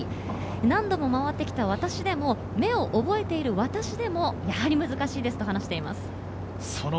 何度も回ってきた私でも目を覚えている私でも、やはり難しいですと話しています。